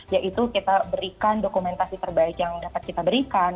yaitu kita berikan dokumentasi terbaik yang dapat kita berikan